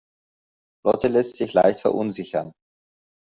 Lotte lässt sich leicht verunsichern.